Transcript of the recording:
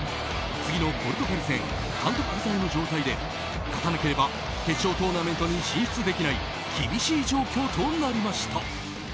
次のポルトガル戦監督不在の状態で勝たなければ決勝トーナメントに進出できない厳しい状況となりました。